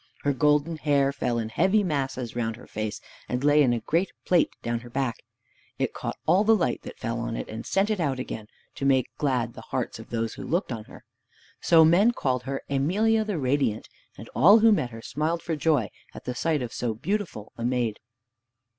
Her golden hair fell in heavy masses round her face, and lay in a great plait down her back. It caught all the light that fell on it, and sent it out again to make glad the hearts of those who looked on her. So men called her Emelia the Radiant, and all who met her smiled for joy at the sight of so beautiful a maid.